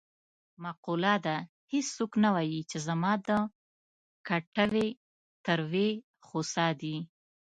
معقوله ده: هېڅوک نه وايي چې زما د کټوې تروې خسا دي.